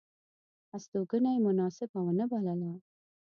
هستوګنه یې مناسبه ونه بلله.